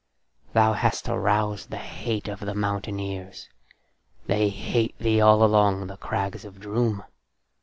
Thou hast aroused the hate of the mountaineers. They hate thee all along the crags of Droom.